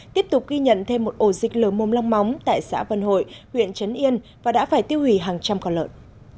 tiếp tục ghi nhận thêm một ổ dịch lờ mồm long móng tại xã vân hội huyện trấn yên và đã phải tiêu hủy hàng trăm con lợn